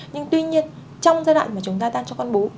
nhưng tuy nhiên trong giai đoạn mà chúng ta đang cho con bú